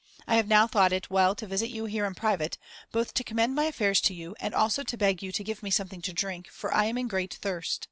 I have now thought it well to visit you here in private, both to commend my affairs to you, and also to beg you to give me something to drink, for I am in great thirst.